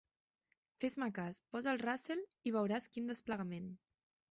Fes-me cas, posa el Russell i veuràs quin desplegament.